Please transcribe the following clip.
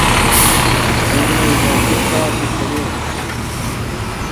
یانې اضافي کار چې څلور ساعته وو اوس پنځه شو